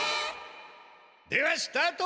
ではスタート！